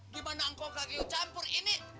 gimana engkau kaget campur ini